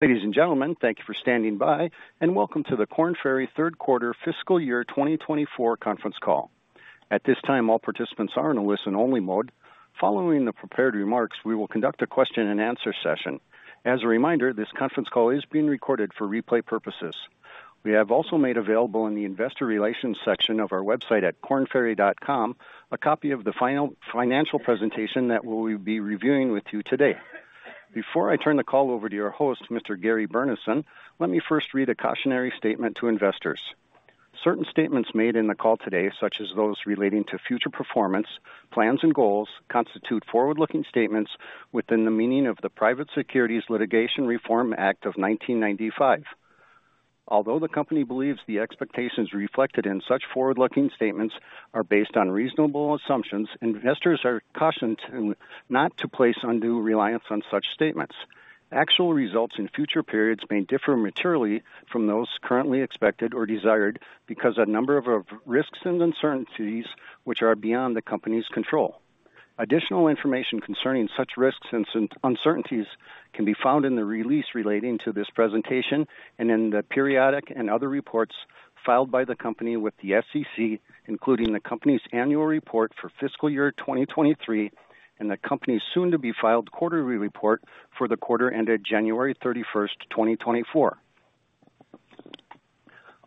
Ladies and gentlemen, thank you for standing by, and welcome to the Korn Ferry Q3 fiscal year 2024 Conference Call. At this time, all participants are in a listen-only mode. Following the prepared remarks, we will conduct a question-and-answer session. As a reminder, this conference call is being recorded for replay purposes. We have also made available in the investor relations section of our website at kornferry.com a copy of the final financial presentation that we'll be reviewing with you today. Before I turn the call over to your host, Mr. Gary Burnison, let me first read a cautionary statement to investors. Certain statements made in the call today, such as those relating to future performance, plans, and goals, constitute forward-looking statements within the meaning of the Private Securities Litigation Reform Act of 1995. Although the company believes the expectations reflected in such forward-looking statements are based on reasonable assumptions, investors are cautioned not to place undue reliance on such statements. Actual results in future periods may differ materially from those currently expected or desired because of a number of risks and uncertainties which are beyond the company's control. Additional information concerning such risks and uncertainties can be found in the release relating to this presentation and in the periodic and other reports filed by the company with the SEC, including the company's annual report for fiscal year 2023 and the company's soon-to-be filed quarterly report for the quarter ended January 31, 2024.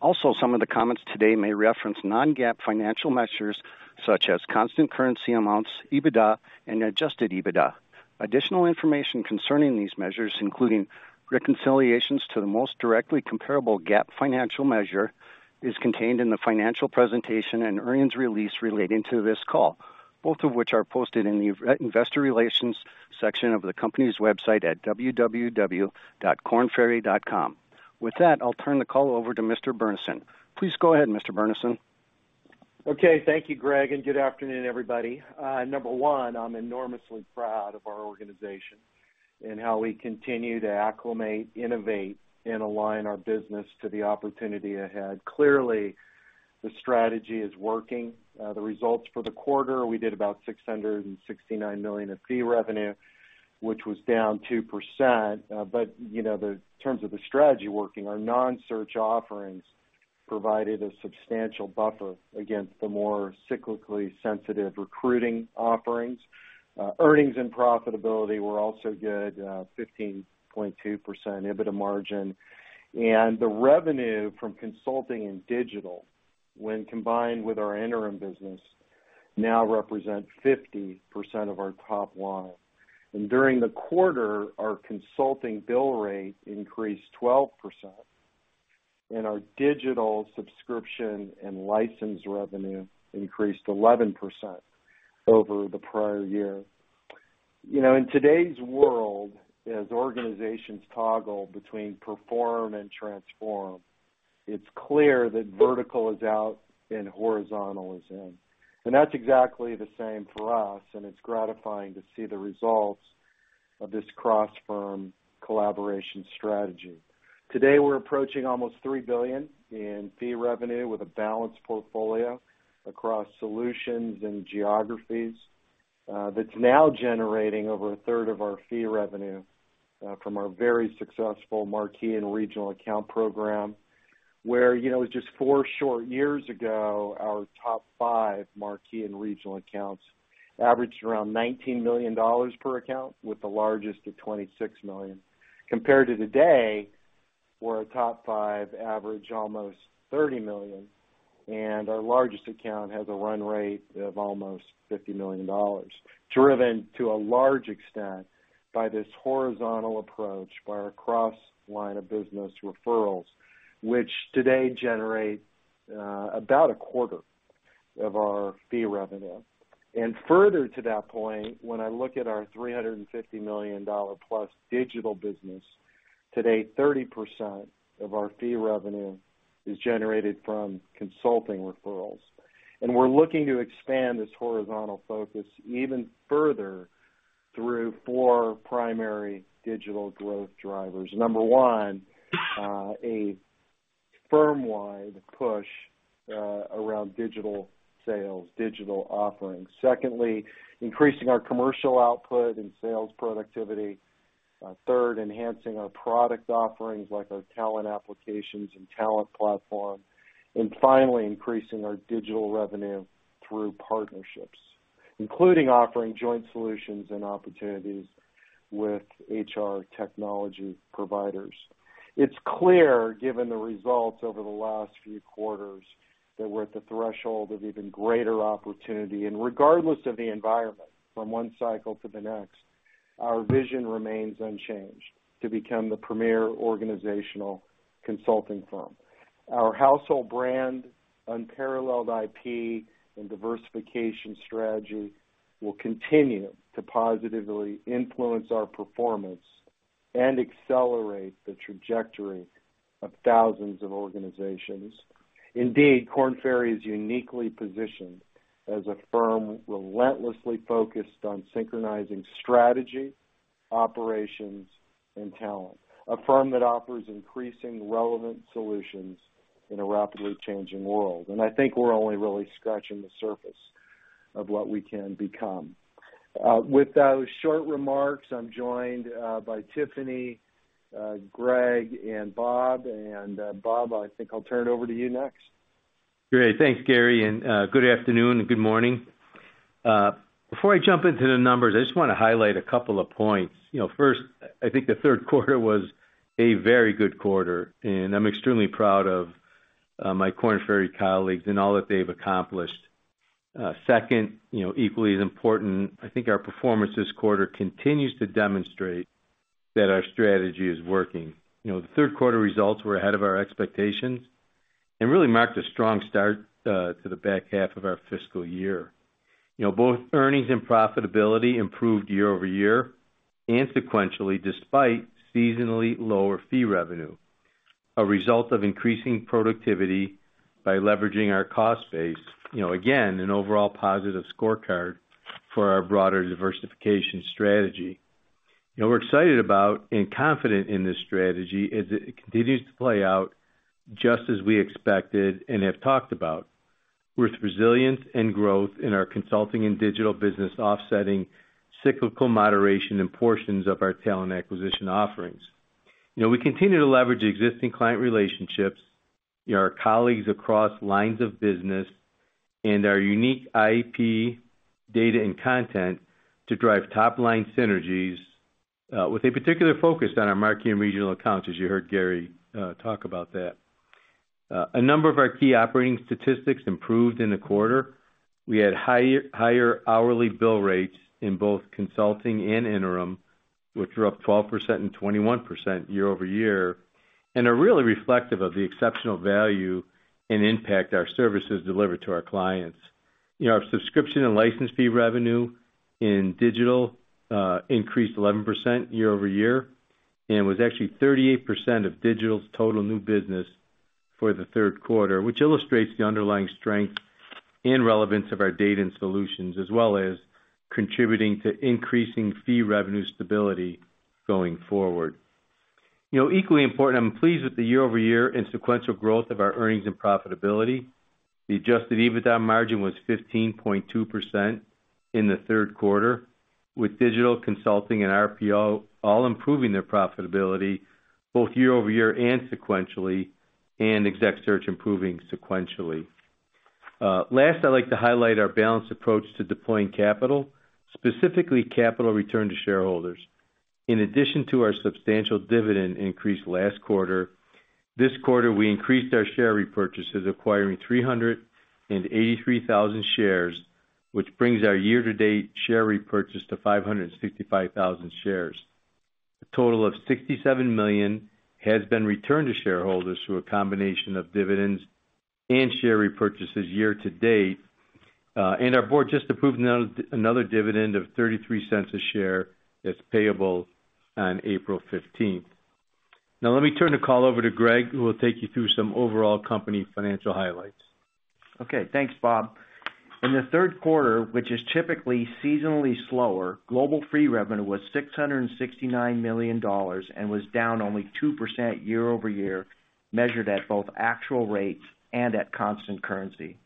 Also, some of the comments today may reference non-GAAP financial measures such as constant-currency amounts, EBITDA, and adjusted EBITDA. Additional information concerning these measures, including reconciliations to the most directly comparable GAAP financial measure, is contained in the financial presentation and earnings release relating to this call, both of which are posted in the investor relations section of the company's website at www.kornferry.com. With that, I'll turn the call over to Mr. Burnison. Please go ahead, Mr. Burnison. Okay. Thank you, Gregg, and good afternoon, everybody. Number one, I'm enormously proud of our organization and how we continue to acclimate, innovate, and align our business to the opportunity ahead. Clearly, the strategy is working. The results for the quarter, we did about $669 million in fee revenue, which was down 2%. But in terms of the strategy working, our non-search offerings provided a substantial buffer against the more cyclically sensitive recruiting offerings. Earnings and profitability were also good, 15.2% EBITDA margin. And the revenue from consulting and digital, when combined with our interim business, now represents 50% of our top line. And during the quarter, our consulting bill rate increased 12%, and our digital subscription and license revenue increased 11% over the prior year. In today's world, as organizations toggle between perform and transform, it's clear that vertical is out and horizontal is in. That's exactly the same for us, and it's gratifying to see the results of this cross-firm collaboration strategy. Today, we're approaching almost $3 billion in fee revenue with a balanced portfolio across solutions and geographies. That's now generating over a third of our fee revenue from our very successful Marquee and Regional Account program, where just four short years ago, our top five Marquee and Regional accounts averaged around $19 million per account, with the largest at $26 million. Compared to today, where our top five average almost $30 million, and our largest account has a run rate of almost $50 million, driven to a large extent by this horizontal approach, by our cross-line of business referrals, which today generate about a quarter of our fee revenue. And further to that point, when I look at our $350 million+ digital business, today 30% of our fee revenue is generated from consulting referrals. And we're looking to expand this horizontal focus even further through four primary digital growth drivers. Number one, a firm-wide push around digital sales, digital offerings. Secondly, increasing our commercial output and sales productivity. Third, enhancing our product offerings like our talent applications and talent platform. And finally, increasing our digital revenue through partnerships, including offering joint solutions and opportunities with HR technology providers. It's clear, given the results over the last few quarters, that we're at the threshold of even greater opportunity. And regardless of the environment, from one cycle to the next, our vision remains unchanged to become the premier organizational consulting firm. Our household brand, unparalleled IP, and diversification strategy will continue to positively influence our performance and accelerate the trajectory of thousands of organizations. Indeed, Korn Ferry is uniquely positioned as a firm relentlessly focused on synchronizing strategy, operations, and talent, a firm that offers increasing relevant solutions in a rapidly changing world. And I think we're only really scratching the surface of what we can become. With those short remarks, I'm joined by Tiffany, Gregg, and Bob. And Bob, I think I'll turn it over to you next. Great. Thanks, Gary. And good afternoon and good morning. Before I jump into the numbers, I just want to highlight a couple of points. First, I think the Q3 was a very good quarter, and I'm extremely proud of my Korn Ferry colleagues and all that they've accomplished. Second, equally as important, I think our performance this quarter continues to demonstrate that our strategy is working. The Q3 results were ahead of our expectations and really marked a strong start to the back half of our fiscal year. Both earnings and profitability improved year-over-year and sequentially despite seasonally lower fee revenue, a result of increasing productivity by leveraging our cost base. Again, an overall positive scorecard for our broader diversification strategy. What we're excited about and confident in this strategy is that it continues to play out just as we expected and have talked about, with resilience and growth in our Consulting and Digital business offsetting cyclical moderation in portions of our talent acquisition offerings. We continue to leverage existing client relationships, our colleagues across lines of business, and our unique IP, data, and content to drive top-line synergies with a particular focus on our Marquee and Regional Accounts, as you heard Gary talk about that. A number of our key operating statistics improved in the quarter. We had higher hourly bill rates in both Consulting and Interim, which were up 12% and 21% year-over-year, and are really reflective of the exceptional value and impact our services deliver to our clients. Our subscription and license fee revenue in digital increased 11% year-over-year and was actually 38% of digital's total new business for the Q3, which illustrates the underlying strength and relevance of our data and solutions, as well as contributing to increasing fee revenue stability going forward. Equally important, I'm pleased with the year-over-year and sequential growth of our earnings and profitability. The Adjusted EBITDA margin was 15.2% in the Q3, with digital, consulting, and RPO all improving their profitability both year-over-year and sequentially, and Executive Search improving sequentially. Last, I'd like to highlight our balanced approach to deploying capital, specifically capital return to shareholders. In addition to our substantial dividend increase last quarter, this quarter we increased our share repurchases acquiring 383,000 shares, which brings our year-to-date share repurchase to 565,000 shares. A total of $67 million has been returned to shareholders through a combination of dividends and share repurchases year-to-date. Our board just approved another dividend of $0.33 a share that's payable on April 15. Now, let me turn the call over to Gregg, who will take you through some overall company financial highlights. Okay. Thanks, Bob. In the Q3, which is typically seasonally slower, global fee revenue was $669 million and was down only 2% year-over-year, measured at both actual rates and at constant currency.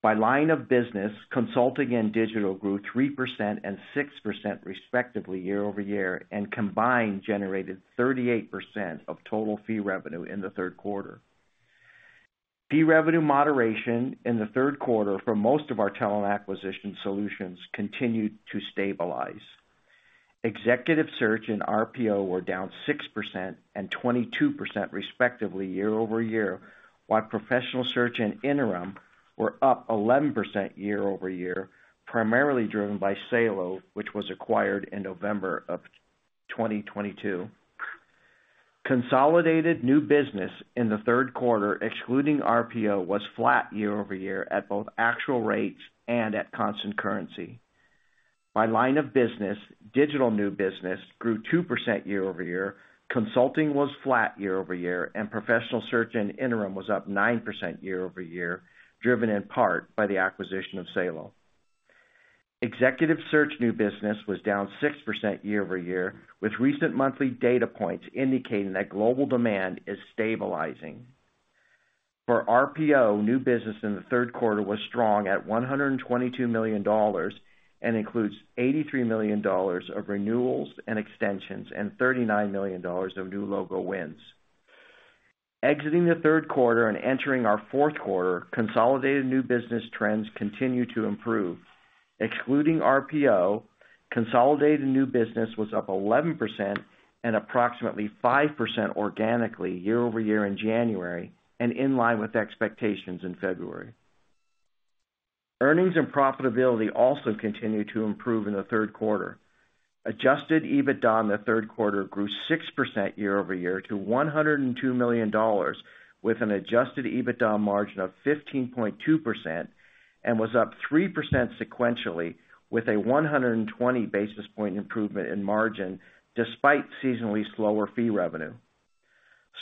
By line of business, consulting and digital grew 3% and 6% respectively year-over-year and combined generated 38% of total fee revenue in the Q3. Fee revenue moderation in the Q3 for most of our talent acquisition solutions continued to stabilize. Executive search and RPO were down 6% and 22% respectively year-over-year, while professional search and interim were up 11% year-over-year, primarily driven by Salo, which was acquired in November 2022. Consolidated new business in the Q3, excluding RPO, was flat year-over-year at both actual rates and at constant currency. By line of business, digital new business grew 2% year-over-year. Consulting was flat year-over-year, and Professional Search and Interim was up 9% year-over-year, driven in part by the acquisition of Salo. Executive Search new business was down 6% year-over-year, with recent monthly data points indicating that global demand is stabilizing. For RPO, new business in the Q3 was strong at $122 million and includes $83 million of renewals and extensions and $39 million of new logo wins. Exiting the Q3 and entering our Q4, consolidated new business trends continue to improve. Excluding RPO, consolidated new business was up 11% and approximately 5% organically year-over-year in January and in line with expectations in February. Earnings and profitability also continue to improve in the Q3. Adjusted EBITDA in the Q3 grew 6% year-over-year to $102 million, with an adjusted EBITDA margin of 15.2% and was up 3% sequentially, with a 120 basis points improvement in margin despite seasonally slower fee revenue.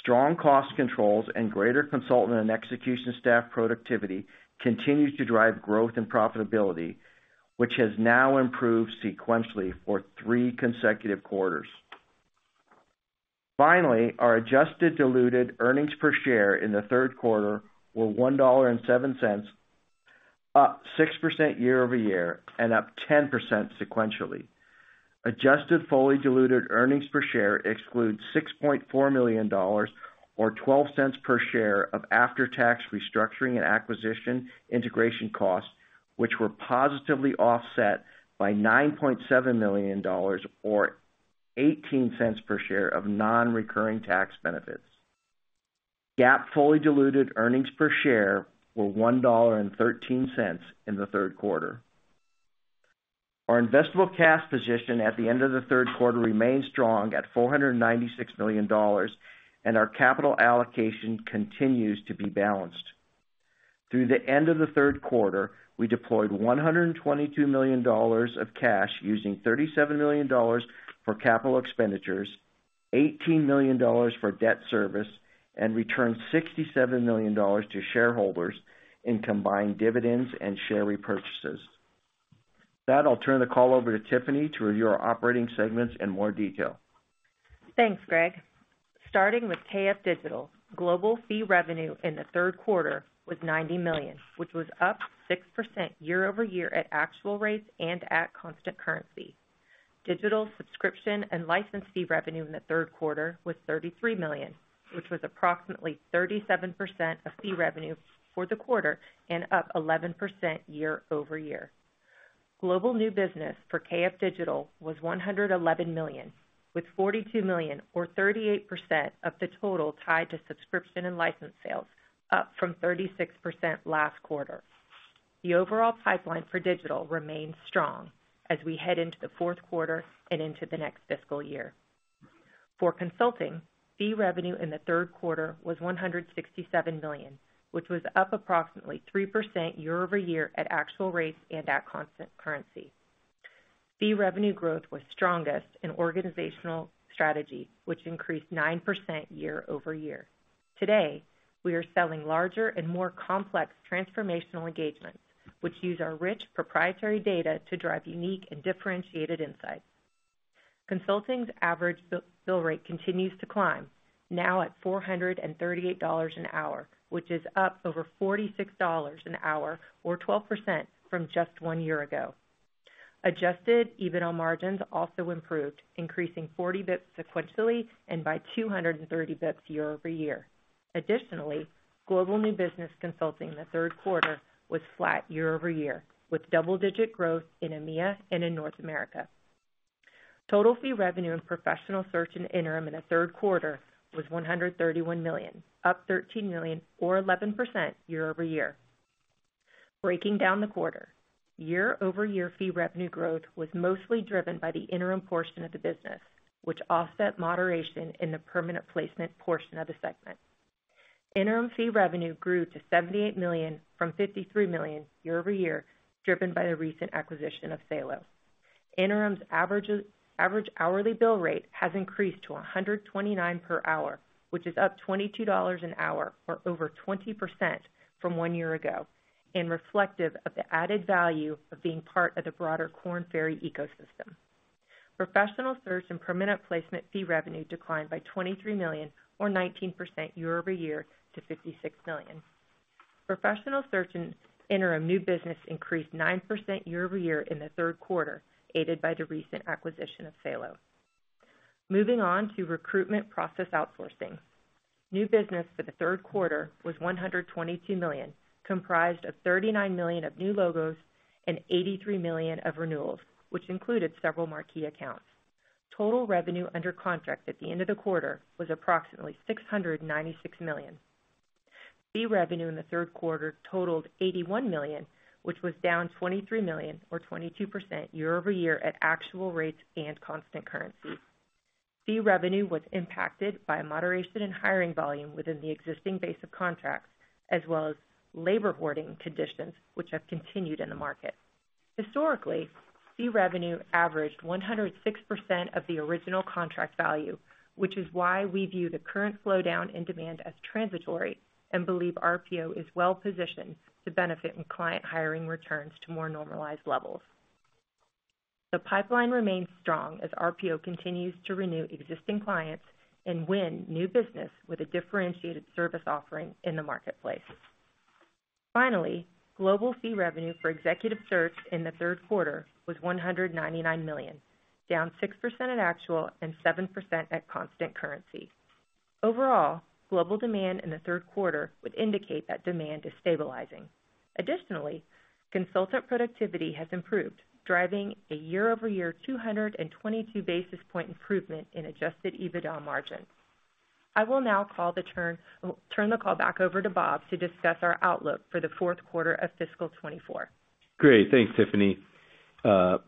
Strong cost controls and greater consultant and execution staff productivity continue to drive growth and profitability, which has now improved sequentially for three consecutive quarters. Finally, our adjusted diluted earnings per share in the Q3 were $1.07, up 6% year-over-year and up 10% sequentially. Adjusted fully diluted earnings per share exclude $6.4 million or $0.12 per share of after-tax restructuring and acquisition integration costs, which were positively offset by $9.7 million or $0.18 per share of non-recurring tax benefits. GAAP fully diluted earnings per share were $1.13 in the Q3. Our investable cash position at the end of the Q3 remains strong at $496 million, and our capital allocation continues to be balanced. Through the end of the Q3, we deployed $122 million of cash, using $37 million for capital expenditures, $18 million for debt service, and returned $67 million to shareholders in combined dividends and share repurchases. That'll turn the call over to Tiffany to review our operating segments in more detail. Thanks, Gregg. Starting with KF Digital, global fee revenue in the Q3 was $90 million, which was up 6% year-over-year at actual rates and at constant currency. Digital subscription and license fee revenue in the Q3 was $33 million, which was approximately 37% of fee revenue for the quarter and up 11% year-over-year. Global new business for KF Digital was $111 million, with $42 million or 38% of the total tied to subscription and license sales, up from 36% last quarter. The overall pipeline for digital remains strong as we head into the Q4 and into the next fiscal year. For consulting, fee revenue in the Q3 was $167 million, which was up approximately 3% year-over-year at actual rates and at constant currency. Fee revenue growth was strongest in organizational strategy, which increased 9% year-over-year. Today, we are selling larger and more complex transformational engagements, which use our rich proprietary data to drive unique and differentiated insights. Consulting's average bill rate continues to climb, now at $438 an hour, which is up over $46 an hour or 12% from just one year ago. Adjusted EBITDA margins also improved, increasing 40 basis points sequentially and by 230 basis points year-over-year. Additionally, global new business consulting in the Q3 was flat year-over-year, with double-digit growth in EMEA and in North America. Total fee revenue in professional search and interim in the Q3 was $131 million, up $13 million or 11% year-over-year. Breaking down the quarter, year-over-year fee revenue growth was mostly driven by the interim portion of the business, which offset moderation in the permanent placement portion of the segment. Interim fee revenue grew to $78 million from $53 million year-over-year, driven by the recent acquisition of Salo. Interim's average hourly bill rate has increased to $129 per hour, which is up $22 an hour or over 20% from one year ago and reflective of the added value of being part of the broader Korn Ferry ecosystem. Professional search and permanent placement fee revenue declined by $23 million or 19% year-over-year to $56 million. Professional search and interim new business increased 9% year-over-year in the Q3, aided by the recent acquisition of Salo. Moving on to recruitment process outsourcing, new business for the Q3 was $122 million, comprised of $39 million of new logos and $83 million of renewals, which included several Marquee accounts. Total revenue under contract at the end of the quarter was approximately $696 million. Fee revenue in the Q3 totaled $81 million, which was down $23 million or 22% year-over-year at actual rates and constant currency. Fee revenue was impacted by moderation in hiring volume within the existing base of contracts, as well as labor hoarding conditions, which have continued in the market. Historically, fee revenue averaged 106% of the original contract value, which is why we view the current slowdown in demand as transitory and believe RPO is well-positioned to benefit from client hiring returns to more normalized levels. The pipeline remains strong as RPO continues to renew existing clients and win new business with a differentiated service offering in the marketplace. Finally, global fee revenue for Executive Search in the Q3 was $199 million, down 6% at actual and 7% at constant currency. Overall, global demand in the Q3 would indicate that demand is stabilizing. Additionally, consultant productivity has improved, driving a year-over-year 222 basis point improvement in adjusted EBITDA margins. I will now turn the call back over to Bob to discuss our outlook for the Q4 of fiscal 2024. Great. Thanks, Tiffany.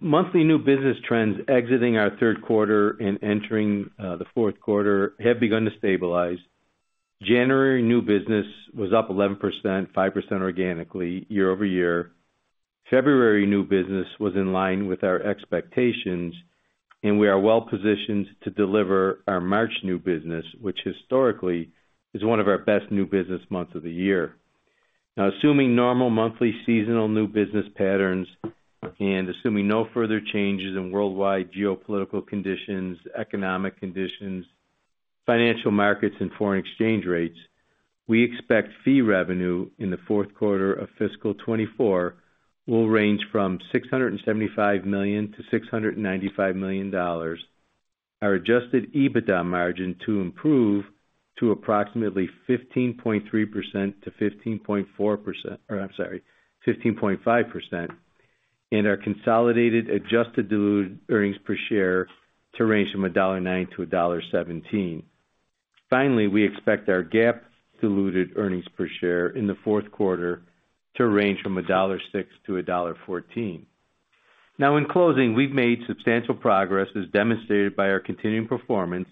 Monthly new business trends exiting our Q3 and entering the Q4 have begun to stabilize. January new business was up 11%, 5% organically year-over-year. February new business was in line with our expectations, and we are well-positioned to deliver our March new business, which historically is one of our best new business months of the year. Now, assuming normal monthly seasonal new business patterns and assuming no further changes in worldwide geopolitical conditions, economic conditions, financial markets, and foreign exchange rates, we expect fee revenue in the Q4 of fiscal 2024 will range from $675 million-$695 million, our Adjusted EBITDA margin to improve to approximately 15.3%-15.4% or, I'm sorry, 15.5%, and our consolidated adjusted diluted earnings per share to range from $1.09-$1.17. Finally, we expect our GAAP diluted earnings per share in the Q4 to range from $1.06-$1.14. Now, in closing, we've made substantial progress, as demonstrated by our continuing performance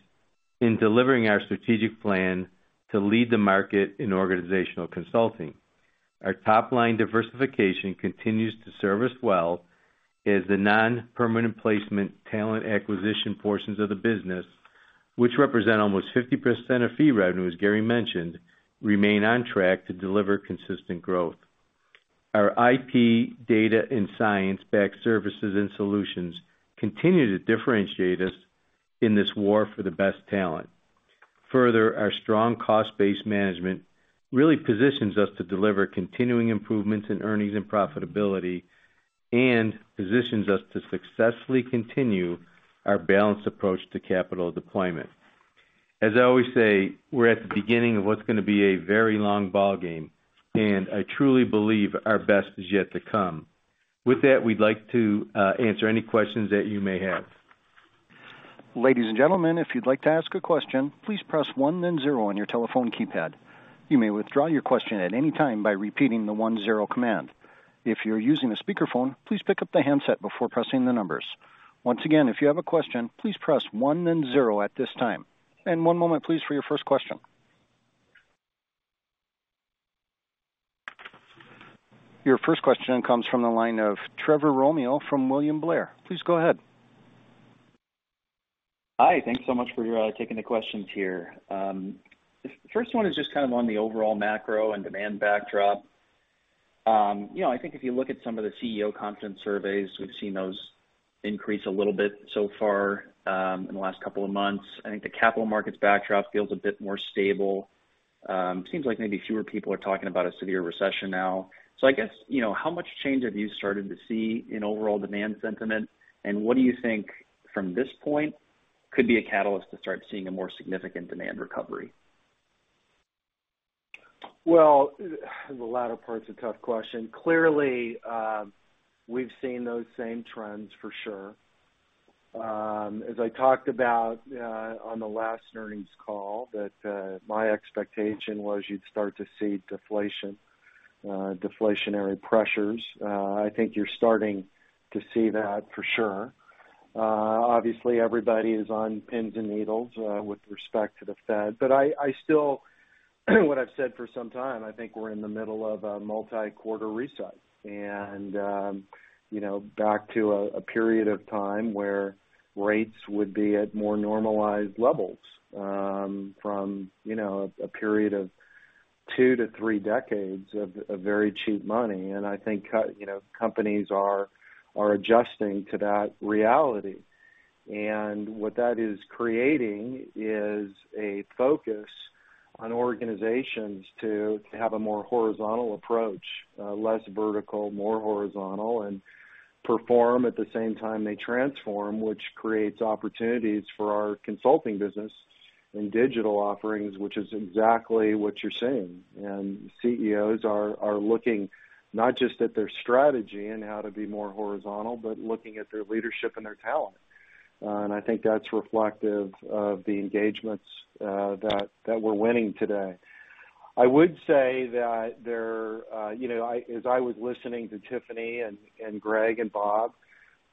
in delivering our strategic plan to lead the market in organizational consulting. Our top-line diversification continues to service well as the non-permanent placement talent acquisition portions of the business, which represent almost 50% of fee revenue, as Gary mentioned, remain on track to deliver consistent growth. Our IP data and science-backed services and solutions continue to differentiate us in this war for the best talent. Further, our strong cost-based management really positions us to deliver continuing improvements in earnings and profitability and positions us to successfully continue our balanced approach to capital deployment. As I always say, we're at the beginning of what's going to be a very long ballgame, and I truly believe our best is yet to come. With that, we'd like to answer any questions that you may have. Ladies and gentlemen, if you'd like to ask a question, please press one, then zero on your telephone keypad. You may withdraw your question at any time by repeating the 1, 0 command. If you're using a speakerphone, please pick up the handset before pressing the numbers. Once again, if you have a question, please press one, then zero at this time. And one moment, please, for your first question. Your first question comes from the line of Trevor Romeo from William Blair. Please go ahead. Hi. Thanks so much for taking the questions here. The first one is just kind of on the overall macro and demand backdrop. I think if you look at some of the CEO conference surveys, we've seen those increase a little bit so far in the last couple of months. I think the capital markets backdrop feels a bit more stable. It seems like maybe fewer people are talking about a severe recession now. So I guess, how much change have you started to see in overall demand sentiment, and what do you think, from this point, could be a catalyst to start seeing a more significant demand recovery? Well, the latter part's a tough question. Clearly, we've seen those same trends, for sure. As I talked about on the last earnings call, that my expectation was you'd start to see deflation, deflationary pressures. I think you're starting to see that, for sure. Obviously, everybody is on pins and needles with respect to the Fed. But what I've said for some time, I think we're in the middle of a multi-quarter recession and back to a period of time where rates would be at more normalized levels from a period of two to three decades of very cheap money. I think companies are adjusting to that reality. What that is creating is a focus on organizations to have a more horizontal approach, less vertical, more horizontal, and perform at the same time they transform, which creates opportunities for our consulting business and digital offerings, which is exactly what you're seeing. CEOs are looking not just at their strategy and how to be more horizontal, but looking at their leadership and their talent. I think that's reflective of the engagements that we're winning today. I would say that there, as I was listening to Tiffany and Gregg and Bob,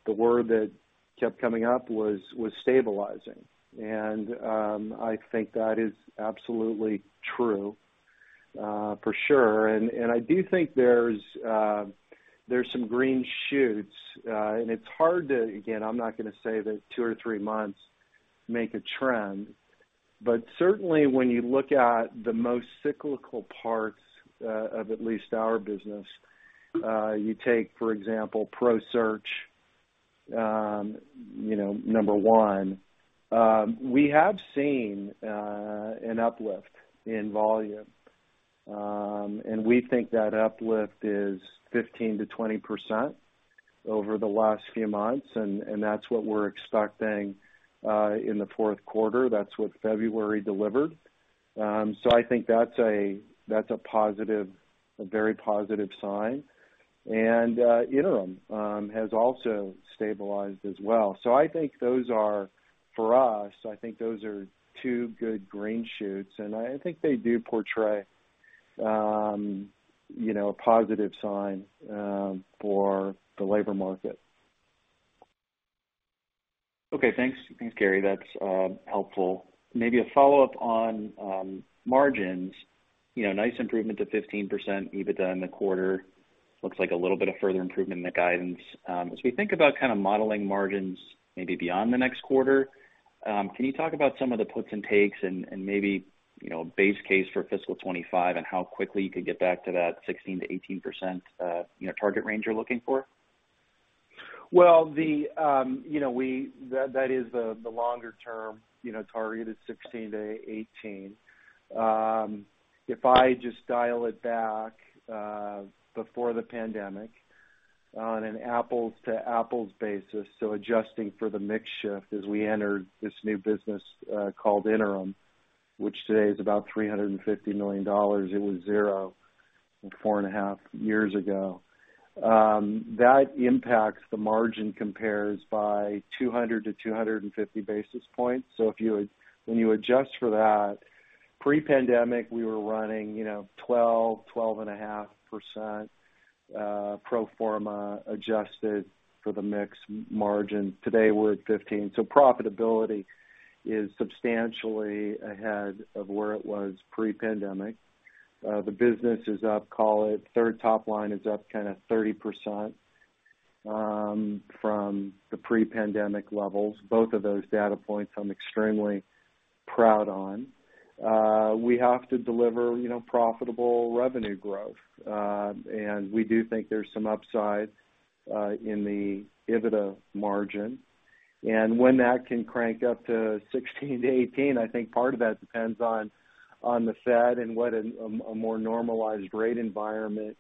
the word that kept coming up was stabilizing. I think that is absolutely true, for sure. I do think there's some green shoots. It's hard to, again, I'm not going to say that two or three months make a trend. Certainly, when you look at the most cyclical parts of at least our business, you take, for example, Professional Search, number one, we have seen an uplift in volume. We think that uplift is 15%-20% over the last few months. That's what we're expecting in the Q4. That's what February delivered. I think that's a very positive sign. Interim has also stabilized as well. I think those are, for us, I think those are two good green shoots. They do portray a positive sign for the labor market. Okay. Thanks, Gary. That's helpful. Maybe a follow-up on margins. Nice improvement to 15% EBITDA in the quarter. Looks like a little bit of further improvement in the guidance. As we think about kind of modeling margins maybe beyond the next quarter, can you talk about some of the puts and takes and maybe a base case for fiscal 2025 and how quickly you could get back to that 16%-18% target range you're looking for? Well, that is the longer-term target, 16%-18%. If I just dial it back before the pandemic on an apples-to-apples basis, so adjusting for the mix shift as we entered this new business called Interim, which today is about $350 million, it was zero, four and half years ago. That impacts the margin compares by 200-250 basis points. So when you adjust for that, pre-pandemic, we were running 12%-12.5% pro forma adjusted for the mix margin. Today, we're at 15%. So profitability is substantially ahead of where it was pre-pandemic. The business is up, call it third top line is up kind of 30% from the pre-pandemic levels. Both of those data points, I'm extremely proud on. We have to deliver profitable revenue growth. And we do think there's some upside in the EBITDA margin. When that can crank up to 16%-18%, I think part of that depends on the Fed and what a more normalized rate environment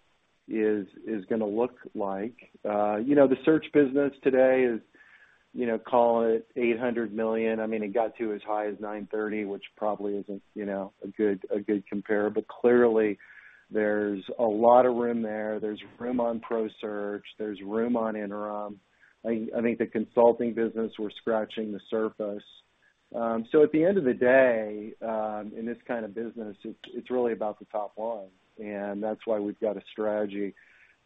is going to look like. The search business today is, call it, $800 million. I mean, it got to as high as $930 million, which probably isn't a good compare. But clearly, there's a lot of room there. There's room on Pro Search. There's room on Interim. I think the consulting business, we're scratching the surface. So at the end of the day, in this kind of business, it's really about the top line. And that's why we've got a strategy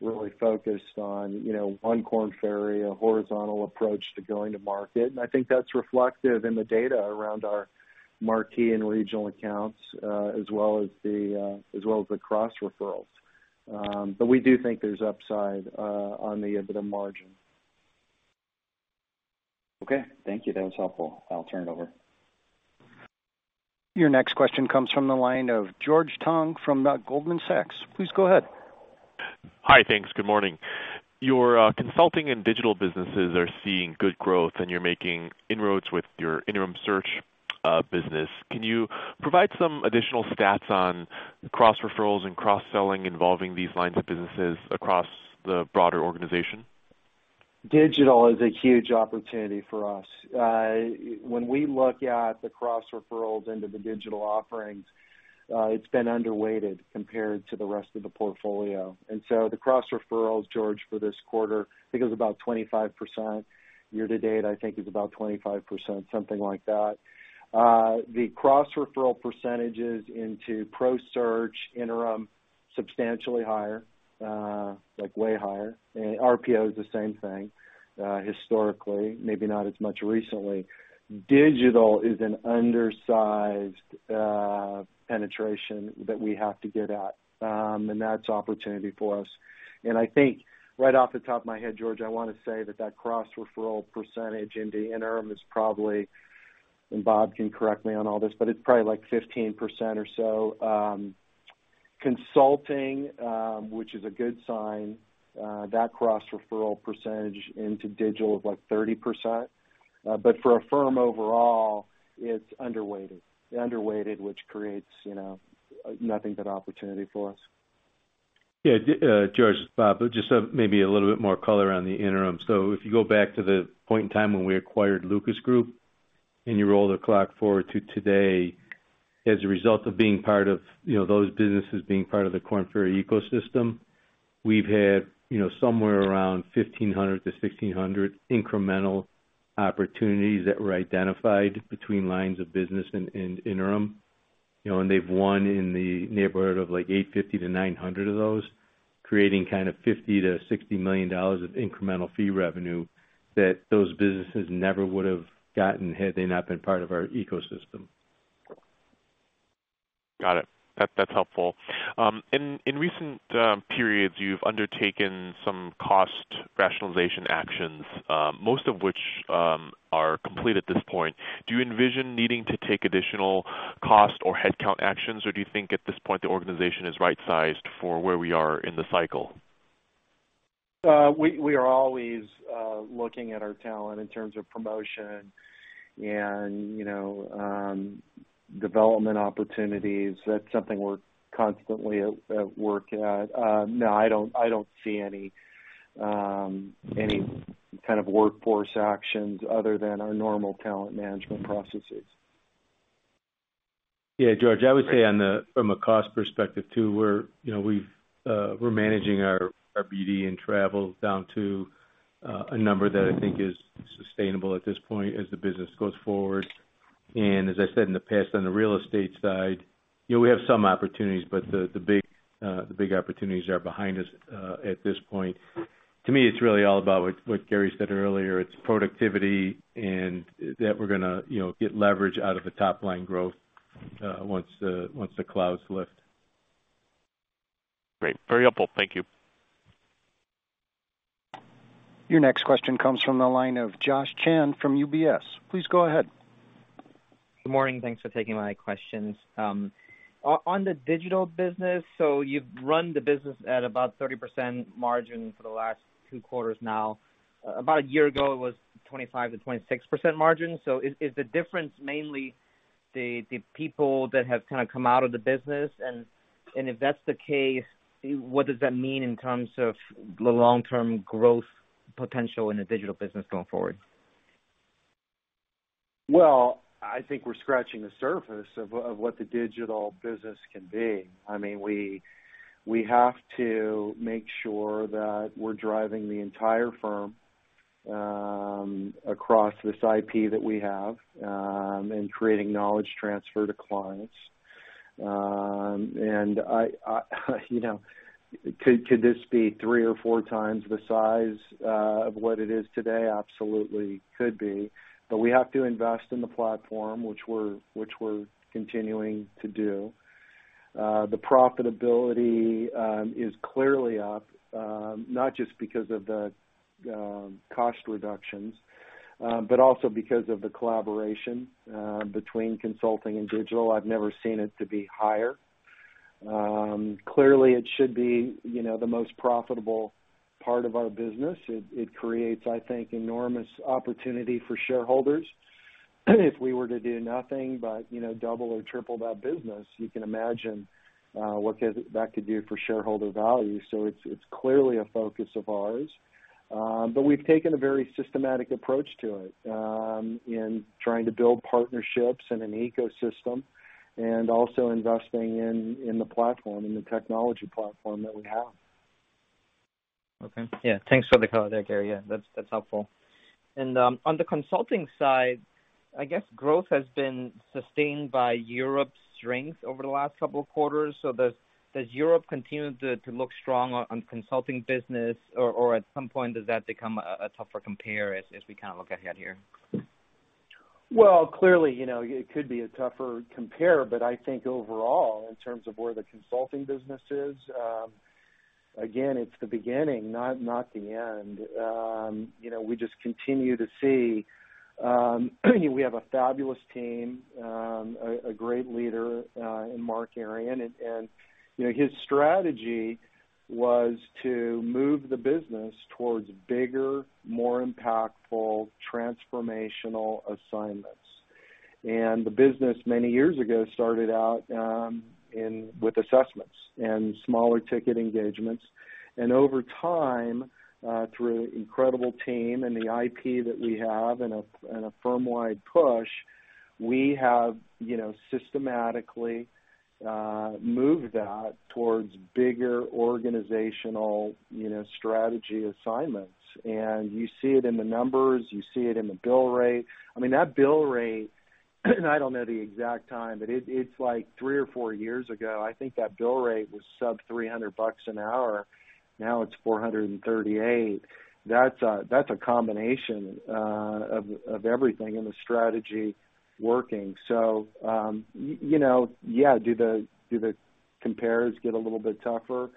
really focused on One Korn Ferry, a horizontal approach to going to market. And I think that's reflective in the data around our Marquee and Regional Accounts as well as the cross-referrals. But we do think there's upside on the EBITDA margin. Okay. Thank you. That was helpful. I'll turn it over. Your next question comes from the line of George Tong from Goldman Sachs. Please go ahead. Hi. Thanks. Good morning. Your Consulting and Digital businesses are seeing good growth, and you're making inroads with your Interim Search business. Can you provide some additional stats on cross-referrals and cross-selling involving these lines of businesses across the broader organization? Digital is a huge opportunity for us. When we look at the cross-referrals into the digital offerings, it's been underweighted compared to the rest of the portfolio. So the cross-referrals, George, for this quarter, I think it was about 25%. Year-to-date, I think it's about 25%, something like that. The cross-referral percentages into ProSearch, Interim, substantially higher, way higher. RPO is the same thing, historically, maybe not as much recently. Digital is an undersized penetration that we have to get at. That's opportunity for us. I think, right off the top of my head, George, I want to say that that cross-referral percentage into Interim is probably, and Bob can correct me on all this, but it's probably like 15% or so. Consulting, which is a good sign, that cross-referral percentage into digital is like 30%. But for a firm overall, it's underweighted, which creates nothing but opportunity for us. Yeah, George, Bob, just maybe a little bit more color on the Interim. So if you go back to the point in time when we acquired Lucas Group and you roll the clock forward to today, as a result of being part of those businesses being part of the Korn Ferry ecosystem, we've had somewhere around 1,500-1,600 incremental opportunities that were identified between lines of business and Interim. And they've won in the neighborhood of like 850-900 of those, creating kind of $50 million-$60 million of incremental fee revenue that those businesses never would have gotten had they not been part of our ecosystem. Got it. That's helpful. In recent periods, you've undertaken some cost-rationalization actions, most of which are complete at this point. Do you envision needing to take additional cost or headcount actions, or do you think at this point the organization is right-sized for where we are in the cycle? We are always looking at our talent in terms of promotion and development opportunities. That's something we're constantly at work at. No, I don't see any kind of workforce actions other than our normal talent management processes. Yeah, George, I would say from a cost perspective too, we're managing our BD and travel down to a number that I think is sustainable at this point as the business goes forward. And as I said in the past, on the real estate side, we have some opportunities, but the big opportunities are behind us at this point. To me, it's really all about what Gary said earlier. It's productivity and that we're going to get leverage out of the top-line growth once the clouds lift. Great. Very helpful. Thank you. Your next question comes from the line of Joshua Chan from UBS. Please go ahead. Good morning. Thanks for taking my questions. On the digital business, so you've run the business at about 30% margin for the last two quarters now. About a year ago, it was 25%-26% margin. So is the difference mainly the people that have kind of come out of the business? And if that's the case, what does that mean in terms of the long-term growth potential in the digital business going forward? Well, I think we're scratching the surface of what the digital business can be. I mean, we have to make sure that we're driving the entire firm across this IP that we have and creating knowledge transfer to clients. Could this be three or four times the size of what it is today? Absolutely, it could be. We have to invest in the platform, which we're continuing to do. The profitability is clearly up, not just because of the cost reductions, but also because of the collaboration between consulting and digital. I've never seen it to be higher. Clearly, it should be the most profitable part of our business. It creates, I think, enormous opportunity for shareholders. If we were to do nothing but double or triple that business, you can imagine what that could do for shareholder value. It's clearly a focus of ours. We've taken a very systematic approach to it in trying to build partnerships and an ecosystem and also investing in the platform, in the technology platform that we have. Okay. Yeah. Thanks for the call there, Gary. Yeah, that's helpful. And on the consulting side, I guess growth has been sustained by Europe's strength over the last couple of quarters. So does Europe continue to look strong on consulting business, or at some point, does that become a tougher compare as we kind of look ahead here? Well, clearly, it could be a tougher compare, but I think overall, in terms of where the consulting business is, again, it's the beginning, not the end. We just continue to see we have a fabulous team, a great leader in Mark Arian. And his strategy was to move the business towards bigger, more impactful, transformational assignments. And the business, many years ago, started out with assessments and smaller ticket engagements. And over time, through an incredible team and the IP that we have and a firm-wide push, we have systematically moved that towards bigger organizational strategy assignments. And you see it in the numbers. You see it in the bill rate. I mean, that bill rate and I don't know the exact time, but it's like three or four years ago. I think that bill rate was sub-$300 an hour. Now it's $438. That's a combination of everything and the strategy working. So yeah, do the compares get a little bit tougher?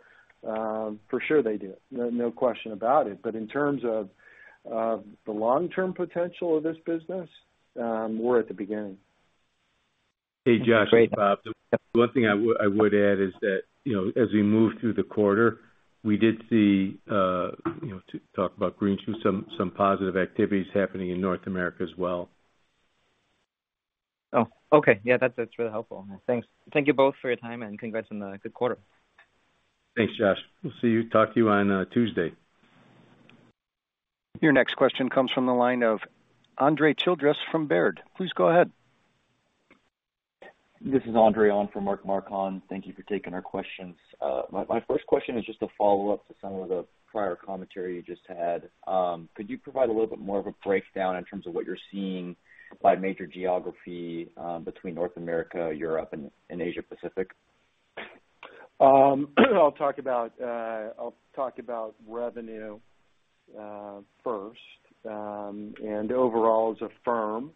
For sure, they do. No question about it. But in terms of the long-term potential of this business, we're at the beginning. Hey, Josh. Great. Bob, the one thing I would add is that as we move through the quarter, we did see talk about green shoots, some positive activities happening in North America as well. Oh, okay. Yeah, that's really helpful. Thank you both for your time, and congrats on the good quarter. Thanks, Josh. We'll see you. Talk to you on Tuesday. Your next question comes from the line of Andre Childress from Baird. Please go ahead. This is Andre on from Mark Marcon. Thank you for taking our questions. My first question is just a follow-up to some of the prior commentary you just had. Could you provide a little bit more of a breakdown in terms of what you're seeing by major geography between North America, Europe, and Asia-Pacific? I'll talk about revenue first. Overall, as a firm,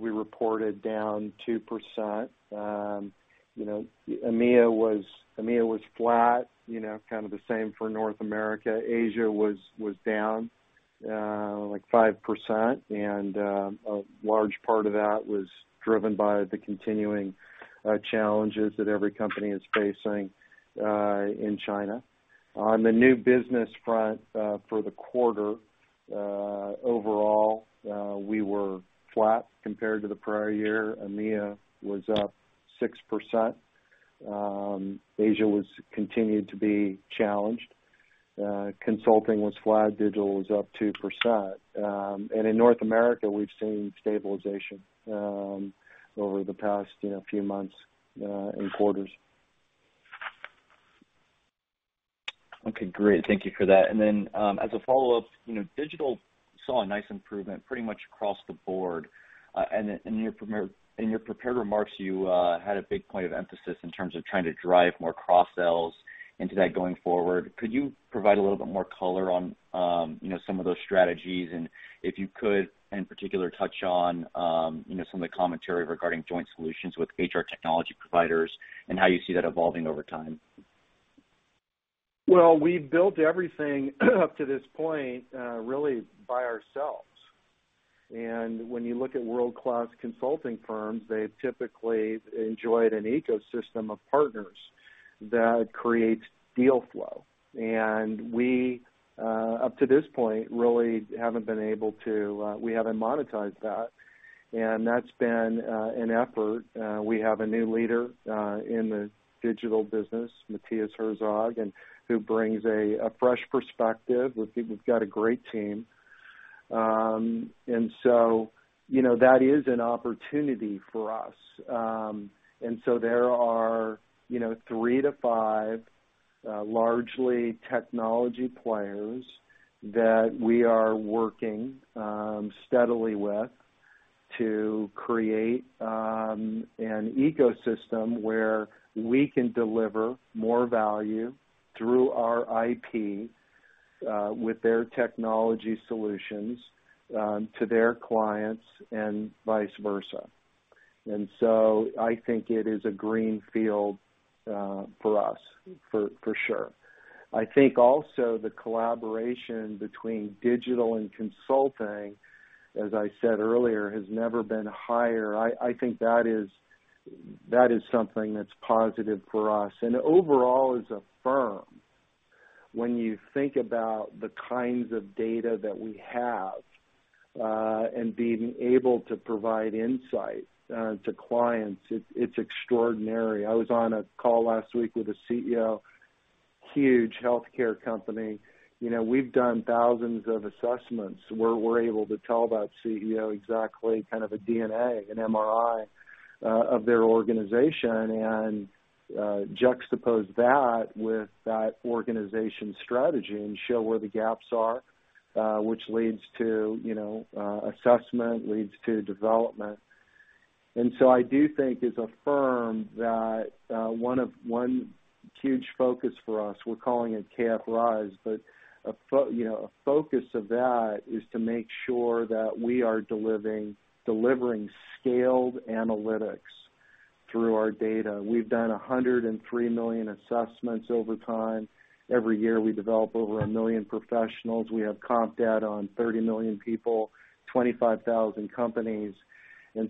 we reported down 2%. EMEA was flat, kind of the same for North America. Asia was down like 5%. A large part of that was driven by the continuing challenges that every company is facing in China. On the new business front for the quarter, overall, we were flat compared to the prior year. EMEA was up 6%. Asia continued to be challenged. Consulting was flat. Digital was up 2%. In North America, we've seen stabilization over the past few months and quarters. Okay. Great. Thank you for that. Then as a follow-up, digital saw a nice improvement pretty much across the board. In your prepared remarks, you had a big point of emphasis in terms of trying to drive more cross-sells into that going forward. Could you provide a little bit more color on some of those strategies and, if you could, in particular, touch on some of the commentary regarding joint solutions with HR technology providers and how you see that evolving over time? Well, we've built everything up to this point really by ourselves. And when you look at world-class consulting firms, they've typically enjoyed an ecosystem of partners that creates deal flow. And we, up to this point, really haven't been able to monetize that. And that's been an effort. We have a new leader in the digital business, Mathias Herzog, who brings a fresh perspective. We've got a great team. And so that is an opportunity for us. And so there are three to five largely technology players that we are working steadily with to create an ecosystem where we can deliver more value through our IP with their technology solutions to their clients and vice versa. And so I think it is a greenfield for us, for sure. I think also the collaboration between digital and consulting, as I said earlier, has never been higher. I think that is something that's positive for us. And overall, as a firm, when you think about the kinds of data that we have and being able to provide insight to clients, it's extraordinary. I was on a call last week with a CEO, huge healthcare company. We've done thousands of assessments. We're able to tell that CEO exactly kind of a DNA, an MRI, of their organization and juxtapose that with that organization's strategy and show where the gaps are, which leads to assessment, leads to development. And so I do think, as a firm, that one huge focus for us, we're calling it KF Rise, but a focus of that is to make sure that we are delivering scaled analytics through our data. We've done 103 million assessments over time. Every year, we develop over 1 million professionals. We have comp data on 30 million people, 25,000 companies.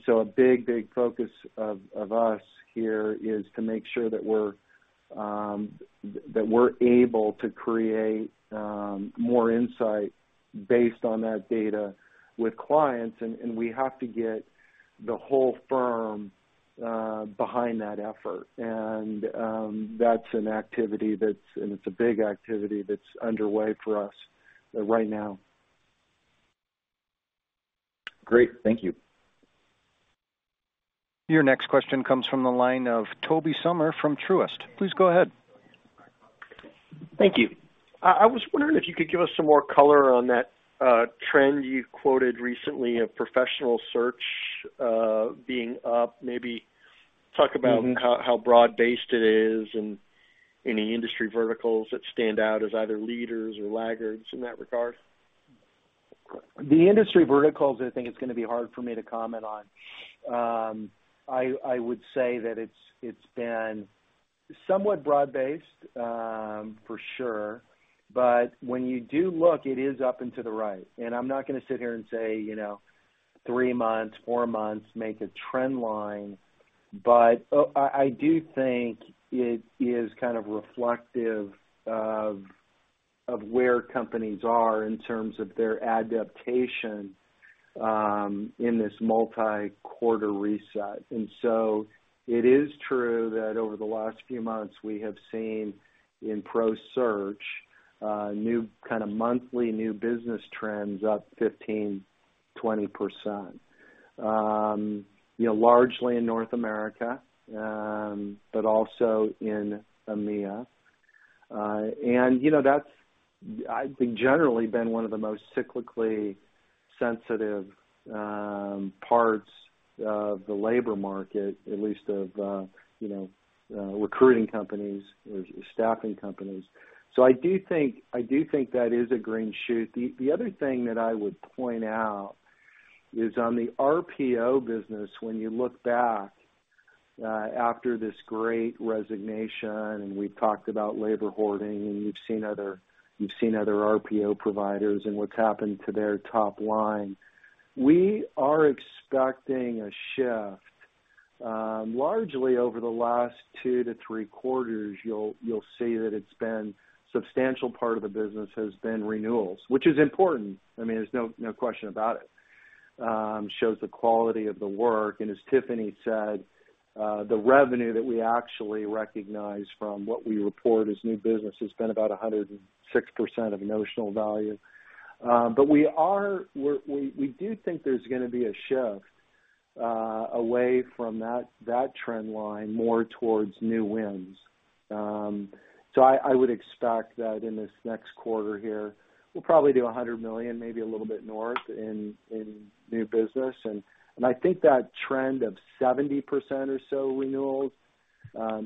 So a big, big focus of us here is to make sure that we're able to create more insight based on that data with clients. And we have to get the whole firm behind that effort. And that's an activity and it's a big activity that's underway for us right now. Great. Thank you. Your next question comes from the line of Tobey Sommer from Truist. Please go ahead. Thank you. I was wondering if you could give us some more color on that trend you quoted recently of Professional Search being up? Maybe talk about how broad-based it is and any industry verticals that stand out as either leaders or laggards in that regard? The industry verticals, I think, is going to be hard for me to comment on. I would say that it's been somewhat broad-based, for sure. But when you do look, it is up and to the right. And I'm not going to sit here and say, "Three months, four months, make a trend line." But I do think it is kind of reflective of where companies are in terms of their adaptation in this multi-quarter reset. And so it is true that over the last few months, we have seen in Professional Search kind of monthly new business trends up 15%-20%, largely in North America but also in EMEA. And that's, I think, generally been one of the most cyclically sensitive parts of the labor market, at least of recruiting companies or staffing companies. So I do think that is a green shoot. The other thing that I would point out is on the RPO business, when you look back after this Great Resignation and we've talked about labor hoarding, and you've seen other RPO providers and what's happened to their top line, we are expecting a shift. Largely, over the last two to three quarters, you'll see that it's been a substantial part of the business has been renewals, which is important. I mean, there's no question about it. It shows the quality of the work. And as Tiffany said, the revenue that we actually recognize from what we report as new business has been about 106% of notional value. But we do think there's going to be a shift away from that trend line more towards new wins. So I would expect that in this next quarter here, we'll probably do $100 million, maybe a little bit north in new business. I think that trend of 70% or so renewals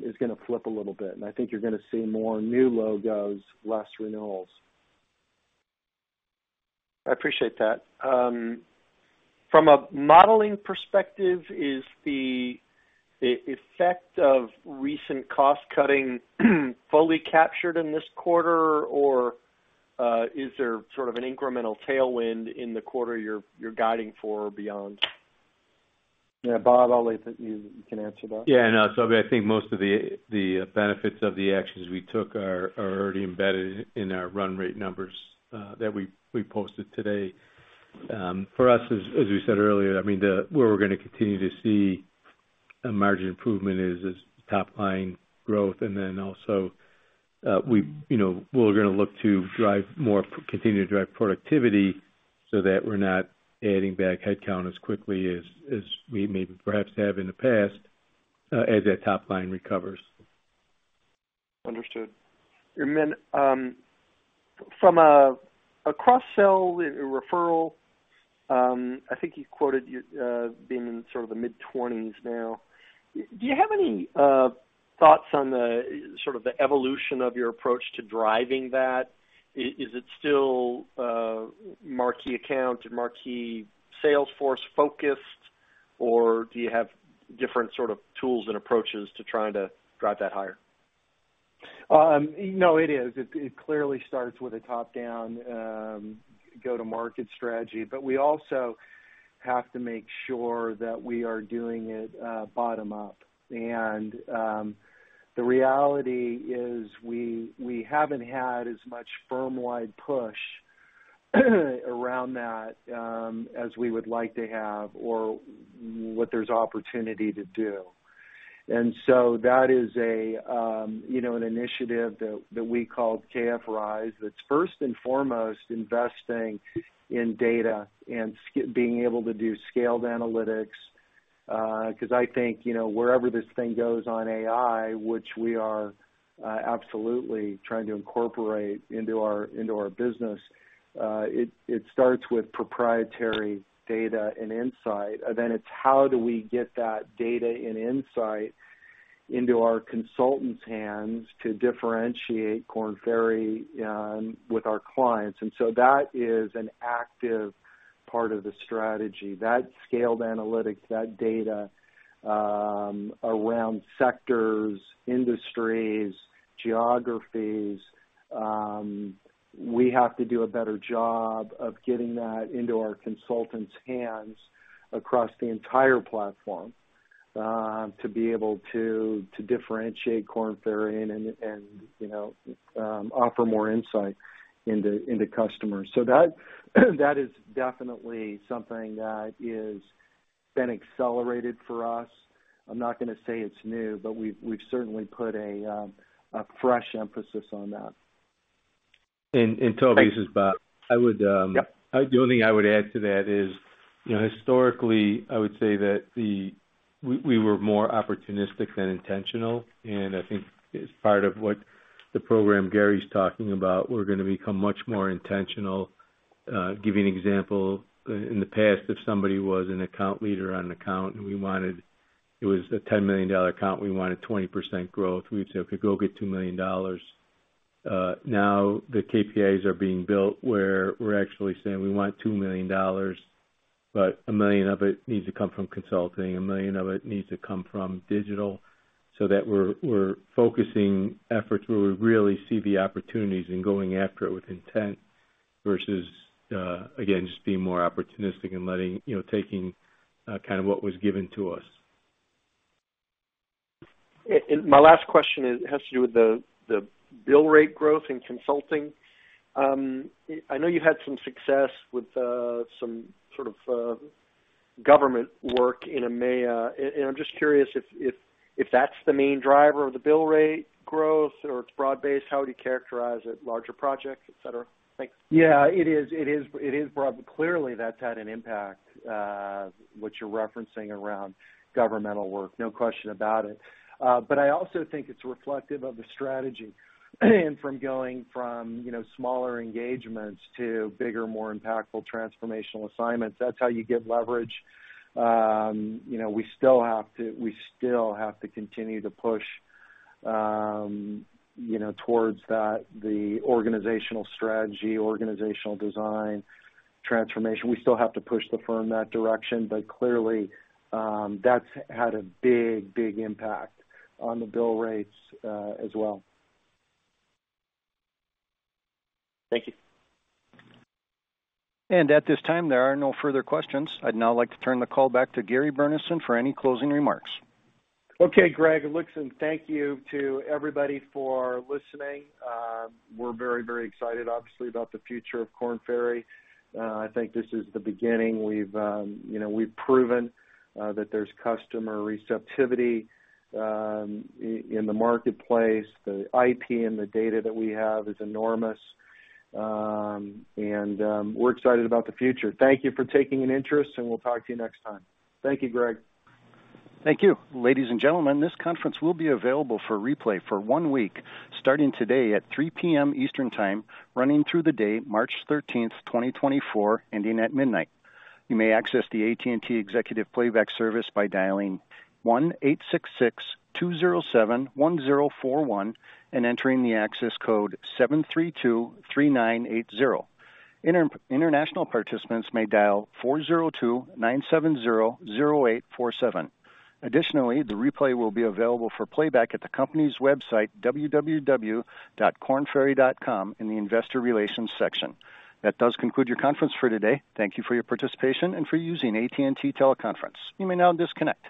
is going to flip a little bit. I think you're going to see more new logos, less renewals. I appreciate that. From a modeling perspective, is the effect of recent cost-cutting fully captured in this quarter, or is there sort of an incremental tailwind in the quarter you're guiding for or beyond? Yeah, Bob, I'll leave it to you. You can answer that. Yeah. No, Toby, I think most of the benefits of the actions we took are already embedded in our run-rate numbers that we posted today. For us, as we said earlier, I mean, where we're going to continue to see a margin improvement is top-line growth. And then also, we're going to look to continue to drive productivity so that we're not adding back headcount as quickly as we maybe perhaps have in the past as that top line recovers. Understood. From a cross-sell referral, I think you quoted being in sort of the mid-20s now. Do you have any thoughts on sort of the evolution of your approach to driving that? Is it still Marquee account and Marquee salesforce-focused, or do you have different sort of tools and approaches to trying to drive that higher? No, it is. It clearly starts with a top-down go-to-market strategy. But we also have to make sure that we are doing it bottom-up. And the reality is we haven't had as much firm-wide push around that as we would like to have or what there's opportunity to do. And so that is an initiative that we called KFRISE that's first and foremost investing in data and being able to do scaled analytics. Because I think wherever this thing goes on AI, which we are absolutely trying to incorporate into our business, it starts with proprietary data and insight. Then it's, "How do we get that data and insight into our consultants' hands to differentiate Korn Ferry with our clients?" And so that is an active part of the strategy. That scaled analytics, that data around sectors, industries, geographies, we have to do a better job of getting that into our consultants' hands across the entire platform to be able to differentiate Korn Ferry and offer more insight into customers. So that is definitely something that has been accelerated for us. I'm not going to say it's new, but we've certainly put a fresh emphasis on that. Toby, this is Bob. The only thing I would add to that is, historically, I would say that we were more opportunistic than intentional. And I think as part of what the program Gary's talking about, we're going to become much more intentional. I'll give you an example. In the past, if somebody was an account leader on an account and it was a $10 million account, we wanted 20% growth. We'd say, "Okay, go get $2 million." Now, the KPIs are being built where we're actually saying, "We want $2 million, but $1 million of it needs to come from consulting. $1 million of it needs to come from digital." So that we're focusing efforts where we really see the opportunities and going after it with intent versus, again, just being more opportunistic and taking kind of what was given to us. My last question has to do with the bill-rate growth in consulting. I know you had some success with some sort of government work in EMEA. I'm just curious if that's the main driver of the bill-rate growth or it's broad-based. How would you characterize it? Larger projects, etc.? Thanks. Yeah, it is. It is broad. But clearly, that's had an impact, what you're referencing, around governmental work. No question about it. But I also think it's reflective of the strategy. And from going from smaller engagements to bigger, more impactful transformational assignments, that's how you get leverage. We still have to continue to push towards the organizational strategy, organizational design, transformation. We still have to push the firm that direction. But clearly, that's had a big impact on the bill rates as well. Thank you. At this time, there are no further questions. I'd now like to turn the call back to Gary Burnison for any closing remarks. Okay, great. Looks, and thank you to everybody for listening. We're very excited, obviously, about the future of Korn Ferry. I think this is the beginning. We've proven that there's customer receptivity in the marketplace. The IP and the data that we have is enormous. And we're excited about the future. Thank you for taking an interest, and we'll talk to you next time. Thank you, Gregg. Thank you. Ladies and gentlemen, this conference will be available for replay for one week, starting today at 3:00PM. Eastern Time, running through the day, March 13, 2024, ending at midnight. You may access the AT&T Executive Playback Service by dialing 1-866-207-1041 and entering the access code 7323980. International participants may dial 402-970-0847. Additionally, the replay will be available for playback at the company's website, www.kornferry.com, in the Investor relations section. That does conclude your conference for today. Thank you for your participation and for using AT&T Teleconference. You may now disconnect.